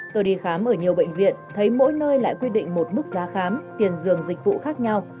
tôi đi khám ở nhiều bệnh viện thấy mỗi nơi lại quy định một mức giá khám tiền dường dịch vụ khác nhau